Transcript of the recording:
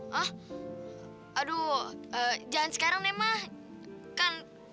hah aduh jangan sekarang ya mas kan